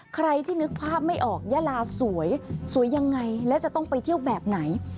ใครที่นึกภาพไม่ออกยาลาสวยสวยยังไงและจะต้องไปเที่ยวแบบไหน